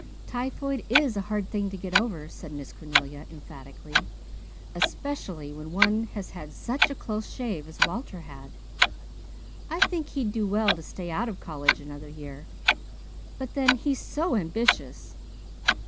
"Typhoid is a hard thing to get over," said Miss Cornelia emphatically, "especially when one has had such a close shave as Walter had. I think he'd do well to stay out of college another year. But then he's so ambitious.